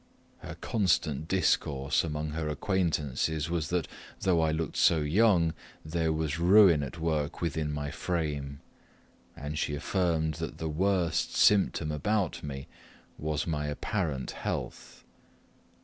Her constant discourse among her acquaintances was, that though I looked so young, there was ruin at work within my frame; and she affirmed that the worst symptom about me was my apparent health.